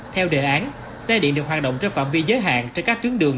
theo đề án xe điện được hoạt động trên phạm vi giới hạn trên các tuyến đường